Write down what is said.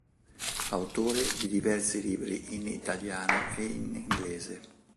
Autore di diversi libri in italiano e in inglese.